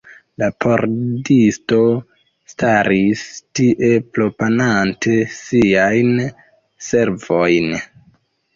La pordisto staris tie, proponante siajn servojn.